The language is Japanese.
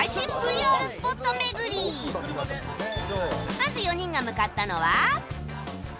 まず４人が向かったのは